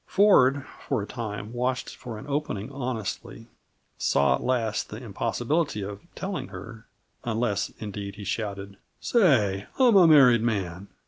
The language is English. Ford, for a time, watched for an opening honestly; saw at last the impossibility of telling her unless indeed he shouted, "Say, I'm a married man!"